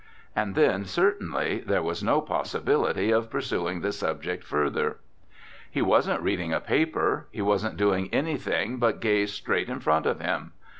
And then, certainly, there was no possibility of pursuing the subject further. He wasn't reading a paper; he wasn't doing anything but gaze straight in front of him.